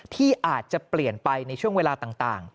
ที่อาจจะเปลี่ยนไปในช่วงเวลาต่าง